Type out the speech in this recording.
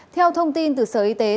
theo thông tin từ sở yên